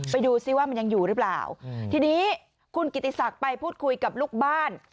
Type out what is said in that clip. ไปดูซิว่ามันยังอยู่หรือเปล่าทีนี้คุณกิติศักดิ์ไปพูดคุยกับลูกบ้าน